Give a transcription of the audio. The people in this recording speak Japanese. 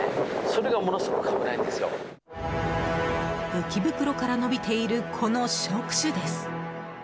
浮き袋から伸びているこの触手です。